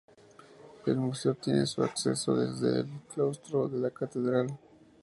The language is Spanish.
El Museo tiene su acceso desde el claustro de la Catedral.